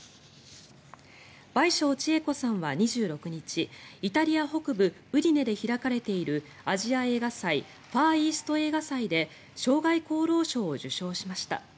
倍賞千恵子さんは２６日イタリア北部ウディネで開かれているアジア映画祭ファーイースト映画祭で生涯功労賞を受賞しました。